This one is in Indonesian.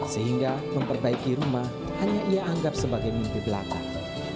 sehingga memperbaiki rumah hanya ia anggap sebagai mimpi belakang